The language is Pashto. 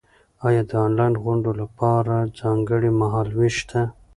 ایا د انلاین غونډو لپاره ځانګړی مهال وېش شته؟